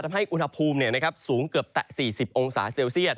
ทำให้อุณหภูมิสูงเกือบแต่๔๐องศาเซลเซียต